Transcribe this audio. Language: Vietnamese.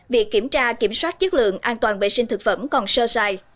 việc kiểm tra kiểm soát chất lượng an toàn vệ sinh thực phẩm còn sơ sai